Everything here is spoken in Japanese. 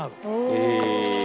へえ！